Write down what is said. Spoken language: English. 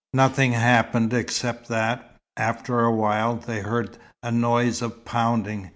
Nothing happened except that, after a while, they heard a noise of pounding.